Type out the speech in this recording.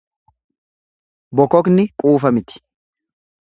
Bokokni quufa miti.